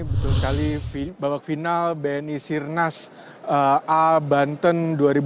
betul sekali babak final bni sirnas a banten dua ribu dua puluh